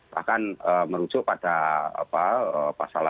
bahkan merujuk pada pasal delapan